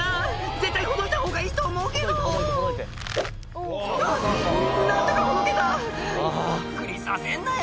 絶対ほどいたほうがいいと思うけどあっ何とかほどけたびっくりさせんなよ